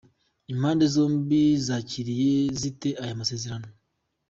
Impande zombi zakiriye zite aya masezerano ?.